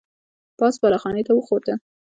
پاس بالا خانې ته وخوته.